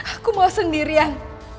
aku mau sendirian